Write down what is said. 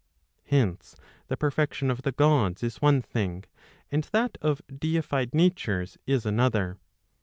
Hence the perfection of the Gods is one thing, and that of deified natures is another.